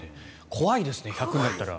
怖いですね、１００になったら。